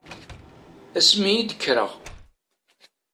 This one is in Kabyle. Asmi i d-kkreɣ.